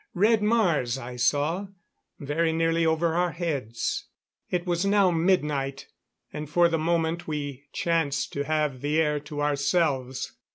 Red Mars, I saw, very nearly over our heads. It was now midnight, and for the moment we chanced to have the air to ourselves.